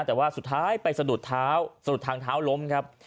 แต่ว่าสุดท้ายไปสะดุดเท้าสะดุดทางเท้าล้มครับ